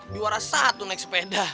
diwaras satu naik sepeda